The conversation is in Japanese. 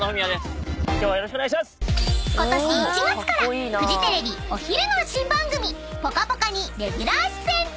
［ことし１月からフジテレビお昼の新番組『ぽかぽか』にレギュラー出演中。